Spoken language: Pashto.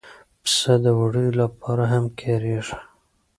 پسه د وړیو لپاره هم کارېږي.